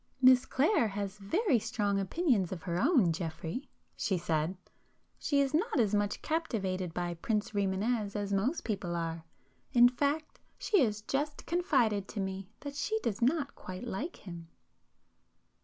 "Miss Clare has very strong opinions of her own, Geoffrey," she said—"She is not as much captivated by Prince Rimânez as most people are,—in fact, she has just confided to me that she does not quite like him."